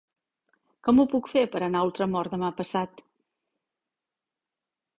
Com ho puc fer per anar a Ultramort demà passat?